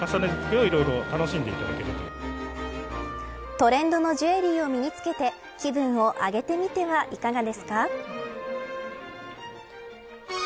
トレンドのジュエリーを身に着けて気分を上げてみてはいかがですか。